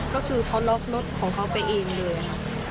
ก็คือเขาล็อกรถของเขาไปเองเลยค่ะ